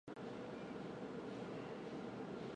信阳王冠介为土菱介科王冠介属下的一个种。